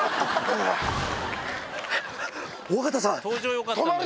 尾形さん！